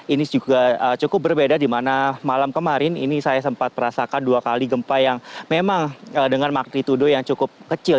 ini juga cukup berbeda di mana malam kemarin ini saya sempat merasakan dua kali gempa yang memang dengan magnitudo yang cukup kecil